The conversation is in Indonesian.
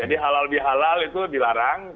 jadi halal bihalal itu dilarang